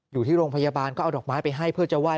อยู่ที่โรงพยาบาลก็เอาดอกไม้ไปให้เพื่อจะไห้